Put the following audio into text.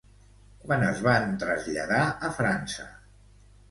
Quan es van traslladar a França?